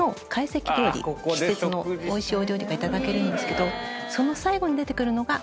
季節のおいしいお料理がいただけるんですけど。